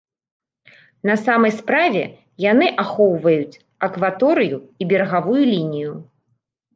На самай справе, яны ахоўваюць акваторыю і берагавую лінію.